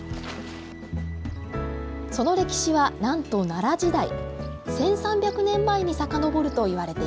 その歴史はなんと奈良時代１，３００年前に遡るといわれています。